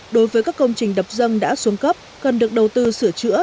đối với các công trình đập dân đã xuống cấp cần được đầu tư sửa chữa